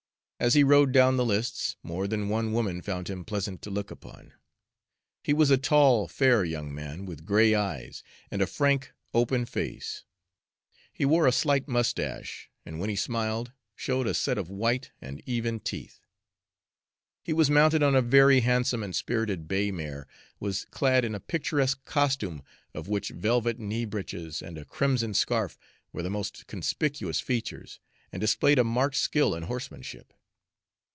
As he rode down the lists, more than one woman found him pleasant to look upon. He was a tall, fair young man, with gray eyes, and a frank, open face. He wore a slight mustache, and when he smiled, showed a set of white and even teeth. He was mounted on a very handsome and spirited bay mare, was clad in a picturesque costume, of which velvet knee breeches and a crimson scarf were the most conspicuous features, and displayed a marked skill in horsemanship.